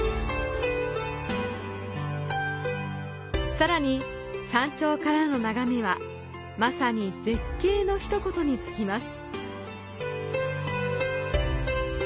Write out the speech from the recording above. さらに、山頂からの眺めはまさに絶景の一言に尽きます。